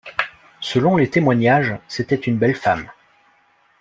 Selon les témoignages, c’était une belle femme.